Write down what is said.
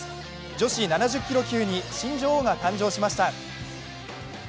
女子７０キロ級に新女王が誕生しました。